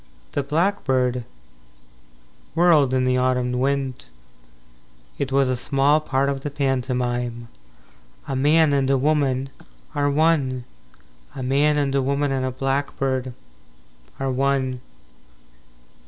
III The blackbird whirled in the autumn wind It was a small part of the pantomime. IV A man and a woman Are one. A man and a woman and a blackbird Are one.